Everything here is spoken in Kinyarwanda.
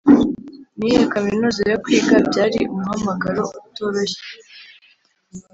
niyihe kaminuza yo kwiga? byari umuhamagaro utoroshye!